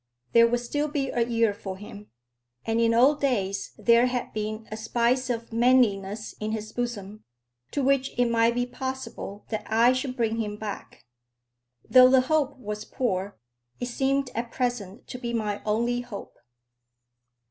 There would still be a year for him. And in old days there had been a spice of manliness in his bosom, to which it might be possible that I should bring him back. Though the hope was poor, it seemed at present to be my only hope.